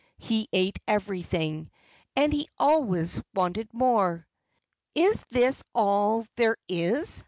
He ate everything. And he always wanted more. "Is this all there is?"